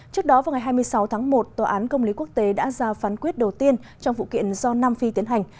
trước đó vào ngày hai mươi sáu tháng một tòa án công lý quốc tế đã ra phán quyết đầu tiên trong vụ kiện do nam phi tiến hành